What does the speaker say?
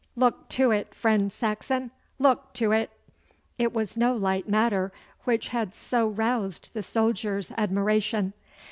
Look to it, friend Saxon, look to it!' It was no light matter which had so roused the soldier's admiration.